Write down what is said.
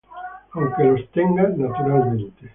Aunque los tenga, naturalmente.